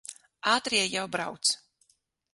Ātrie jau brauc.